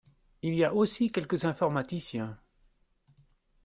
Il y a aussi quelques informaticiens